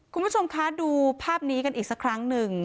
คุณผู้ชมคะดูภาพนี้กันอีกสักครั้งหนึ่ง